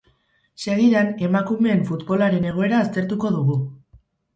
Segidan, emakumeen futbolaren egoera aztertuko dugu.